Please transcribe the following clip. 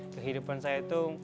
kehidupan saya itu